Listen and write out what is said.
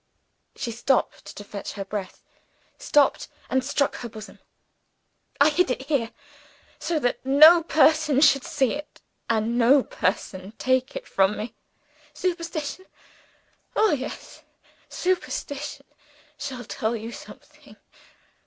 She stooped to fetch her breath stopped, and struck her bosom. "I hid it here, so that no person should see it, and no person take it from me. Superstition? Oh, yes, superstition! Shall tell you something?